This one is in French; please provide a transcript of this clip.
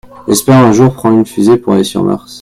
J’espère un jour prendre une fusée pour aller sur Mars.